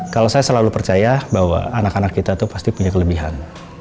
kalau saya selalu percaya bahwa anak anak kita itu pasti punya kelebihan